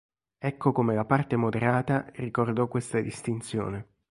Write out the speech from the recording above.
Ecco come la parte moderata ricordò questa distinzione.